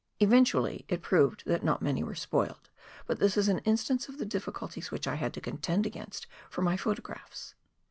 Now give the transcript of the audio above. Eventually it proved that not many were spoilt, but this is an instance of the diflBculties which I had to contend against for my photographs.